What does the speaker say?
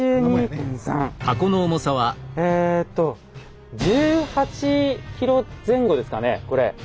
えと１８ｋｇ前後ですかねこれ。